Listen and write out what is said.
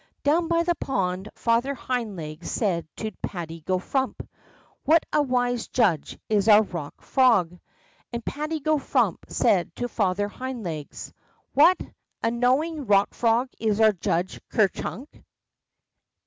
'' Down by the pond Father Hind Legs said to Patty go Frump : What a wise judge is our Bock Frog !" And Patty go Frump said to Father Hind Legs, What a knowing Bock Frog is our Judge Ker Chunk